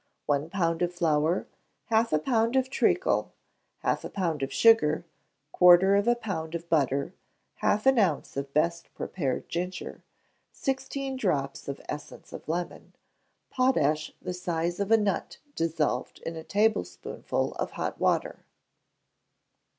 One pound of flour, half a pound of treacle, half a pound of sugar, quarter of a pound of butter, half an ounce of best prepared ginger, sixteen drops of essence of lemon, potash the size of a nut dissolved in a tablespoonful of hot water.